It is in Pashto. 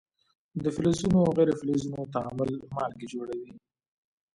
د فلزونو او غیر فلزونو تعامل مالګې جوړوي.